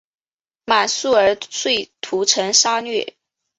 满速儿遂屠城杀掠。